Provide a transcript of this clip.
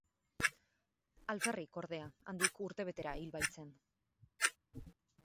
Alferrik, ordea, handik urte betera hil baitzen.